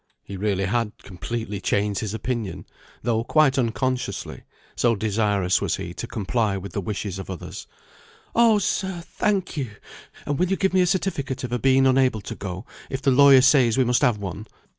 He really had completely changed his opinion, though quite unconsciously; so desirous was he to comply with the wishes of others. "Oh, sir, thank you! And will you give me a certificate of her being unable to go, if the lawyer says we must have one?